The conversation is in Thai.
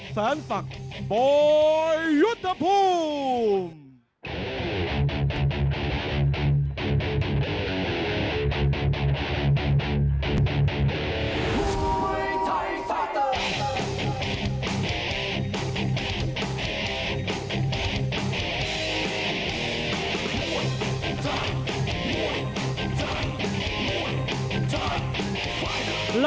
สรรภักษณ์บอยยุฏภูมิ